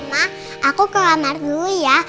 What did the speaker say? mama aku ke kamar dulu ya